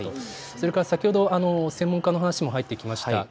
それから先ほど専門家の話も入ってきました。